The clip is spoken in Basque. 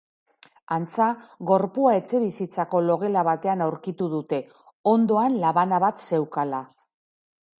Antza, gorpua etxebizitzako logela batean aurkitu dute, ondoan labana bat zeukala.